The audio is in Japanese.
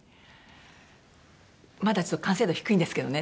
まだ完成度低いんですけどね